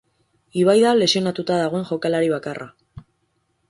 Ibai da lesionatuta dagoen jokalari bakarra.